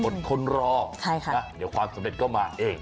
อ่ะคดทนรอค่ะเดี๋ยวความสำเร็จก็มาเองใช่ค่ะ